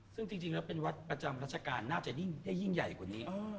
ซึ่งจริงแล้วเป็นวัดประจำราชการน่าจะได้ยิ่งใหญ่กว่านี้